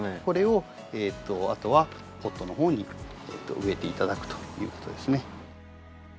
これをあとはポットの方に植えて頂くということですね。